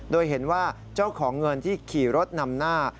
โดยเห็นว่าเจ้าของเงินที่ขี่รถนำหน้า